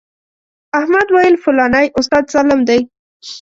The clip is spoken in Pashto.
احمد ویل فلانی استاد ظالم دی.